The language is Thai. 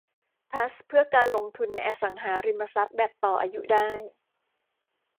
ทรัสต์เพื่อการลงทุนในอสังหาริมทรัพย์แบบต่ออายุได้